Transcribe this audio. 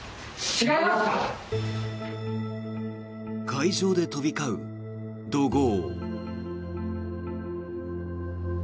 会場で飛び交う怒号。